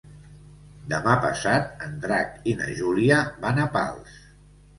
Demà passat en Drac i na Júlia van a Pals.